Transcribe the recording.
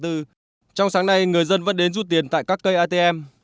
trong sáng nay người dân vẫn đến rút tiền tại các cây atm